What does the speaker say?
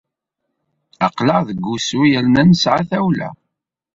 Aql-aɣ deg wusu yerna nesɛa tawla.